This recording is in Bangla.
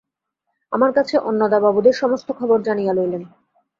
আমার কাছে অন্নদাবাবুদের সমস্ত খবর জানিয়া লইলেন।